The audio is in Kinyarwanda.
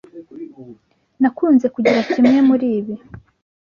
Nakunze kugira kimwe muri ibi.